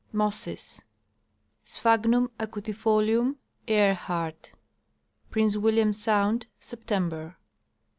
Mosses. Sphagnum acutifolium, Elirli. Prince William sound, September.